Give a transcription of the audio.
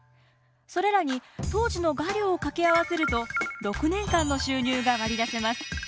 それらに当時の画料を掛け合わせると６年間の収入が割り出せます。